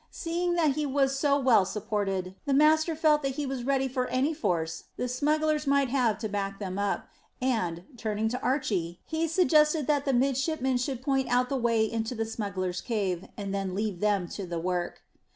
Seeing that he was so well supported, the master felt that he was ready for any force the smugglers might have to back them up, and, turning to Archy, he suggested that the midshipman should point out the way into the smugglers' cave, and then leave them to do the work.